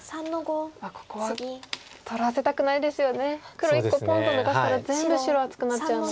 黒１個ポンと抜かれたら全部白厚くなっちゃうので。